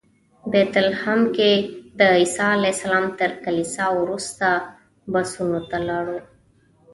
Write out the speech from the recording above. بیت لحم کې د عیسی علیه السلام تر کلیسا وروسته بسونو ته لاړو.